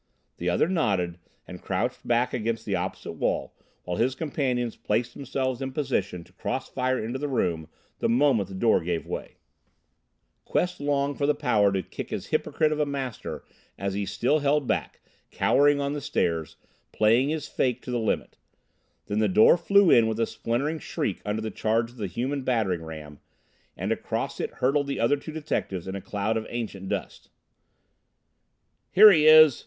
The other nodded, and crouched back against the opposite wall while his companions placed themselves in position to cross fire into the room the moment the door gave way. Quest longed for the power to kick his hypocrite of a master as he still held back, cowering on the stairs, playing his fake to the limit. Then the door flew in with a splintering shriek under the charge of the human battering ram, and across it hurtled the other two detectives in a cloud of ancient dust. "Here he is!"